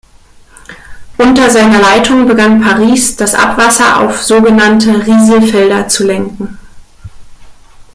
Unter seiner Leitung begann Paris, das Abwasser auf sogenannte Rieselfelder zu lenken.